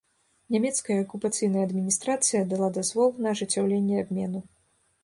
Нямецкая акупацыйная адміністрацыя дала дазвол на ажыццяўленне абмену.